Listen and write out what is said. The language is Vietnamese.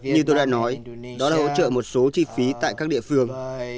như tôi đã nói đó là hỗ trợ một số chi phí tại các địa phương